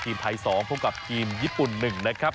ทีมไทย๒พบกับทีมญี่ปุ่น๑นะครับ